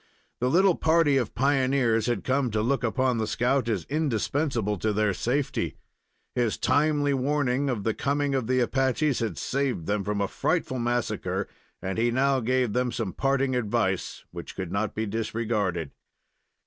The little party of pioneers had come to look upon the scout as indispensable to their safety. His timely warning of the coming of the Apaches had saved them from a frightful massacre, and he now gave them some parting advice, which could not be disregarded.